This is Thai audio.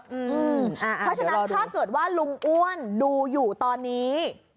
เพราะฉะนั้นถ้าเกิดว่าลุงอ้วนดูอยู่ตอนนี้